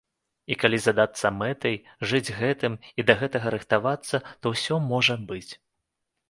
І калі задацца мэтай, жыць гэтым і да гэтага рыхтавацца, то ўсё можа быць.